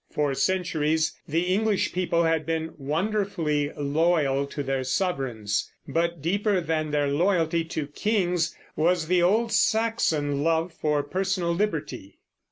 For centuries the English people had been wonderfully loyal to their sovereigns; but deeper than their loyalty to kings was the old Saxon love for personal liberty.